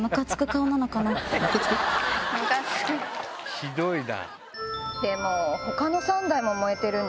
ひどいな。